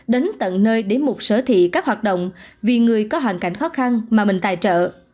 đến tận nơi để mục sở thị các hoạt động vì người có hoàn cảnh khó khăn mà mình tài trợ